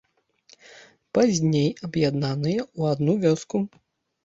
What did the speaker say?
Пазней аб'яднаныя ў адну вёску.